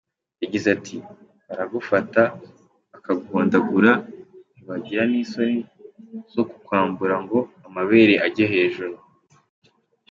Yagize ati “Baragufata bakaguhondagura, ntibagira n’isoni zo kukwambura ngo amabere ajye hejuru.